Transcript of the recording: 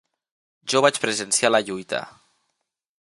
Jo vaig presenciar la lluita.